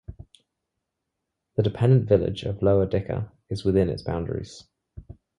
The dependent village of Lower Dicker is within its boundaries.